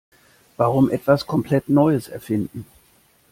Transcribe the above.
Warum etwas komplett Neues erfinden?